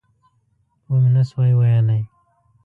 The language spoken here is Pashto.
ومې نه شوای ویلای.